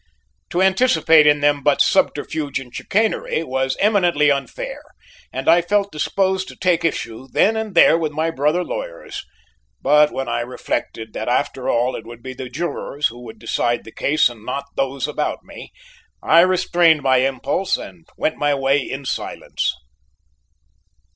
To anticipate in them but subterfuge and chicanery was eminently unfair and I felt disposed to take issue then and there with my brother lawyers; but when I reflected that after all it would be the jurors who would decide the case and not those about me I restrained my impulse and went my way in silence.